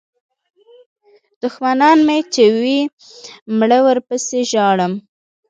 دوښمنان مې چې وي مړه ورپسې ژاړم.